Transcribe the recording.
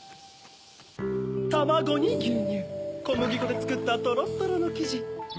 たまごにぎゅうにゅうこむぎこでつくったとろっとろのきじ。